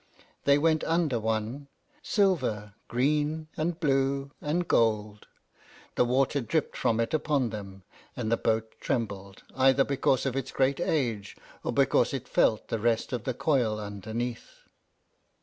They went under one, silver, green, and blue, and gold. The water dripped from it upon them, and the boat trembled, either because of its great age, or because it felt the rest of the coil underneath.